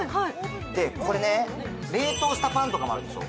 これね、冷凍したパンとかもあるでしょ。